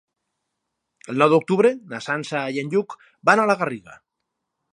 El nou d'octubre na Sança i en Lluc van a la Garriga.